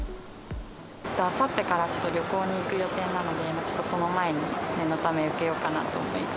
あさってからちょっと旅行に行く予定なので、ちょっとその前に、念のため、受けようかなと。